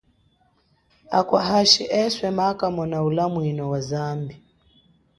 Akwa hashi eswe maakamona ulamwino wa zambi.